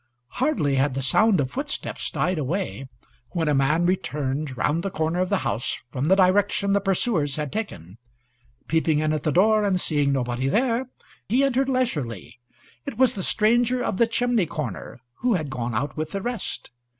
Hardly had the sound of footsteps died away when a man returned round the corner of the house from the direction the pursuers had taken. Peeping in at the door, and seeing nobody there, he entered leisurely. It was the stranger of the chimney corner, who had gone out with the rest.